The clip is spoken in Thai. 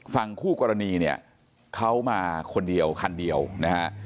ฝั่งคู่กรณีเนี่ยเขามาคนเดียวคันเดียวนะฮะ